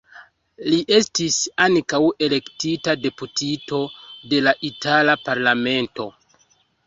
Li estis ankaŭ elektita deputito de la itala parlamento.